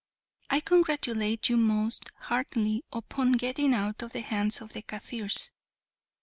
I congratulate you most heartily upon getting out of the hands of the Kaffirs.